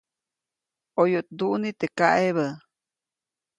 ʼOyuʼt nduʼni teʼ kaʼebä.